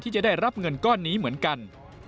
จะได้รับเงินก้อนนี้เหมือนกัน